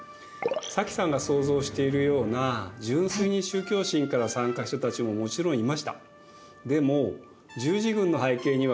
早紀さんが想像しているような純粋に宗教心から参加した人たちももちろんいました。